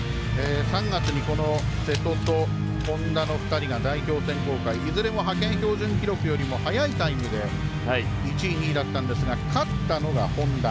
３月に瀬戸と本多の２人が代表選考会いずれも派遣標準記録よりも早いタイムで１位、２位だったんですが勝ったのが本多。